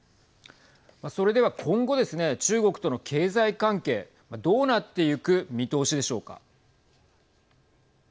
それでは今後ですね中国との経済関係どうなってゆく見通しでしょうか。